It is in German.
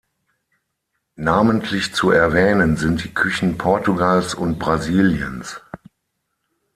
Namentlich zu erwähnen sind die Küchen Portugals und Brasiliens.